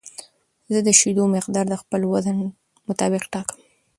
زه د شیدو مقدار د خپل وزن مطابق ټاکم.